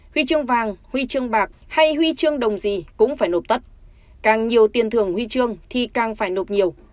huy chương vàng huy chương bạc hay huy chương đồng gì cũng phải nộp tất càng nhiều tiền thưởng huy chương thì càng phải nộp nhiều